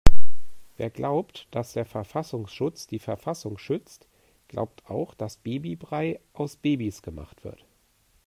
Wer glaubt, dass der Verfassungsschutz die Verfassung schützt, glaubt auch dass Babybrei aus Babys gemacht wird.